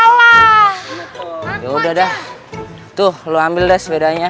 oh ya udah dah tuh lu aminal sepedanya